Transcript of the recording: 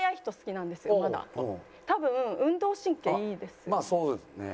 多分運動神経いいですよね。